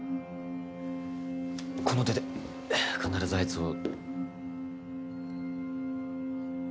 この手で必ずあいつを。